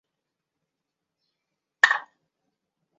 是近代史上重要的革命家和军事家。